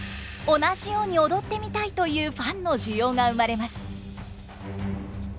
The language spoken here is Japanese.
同じように踊ってみたい！」というファンの需要が生まれます。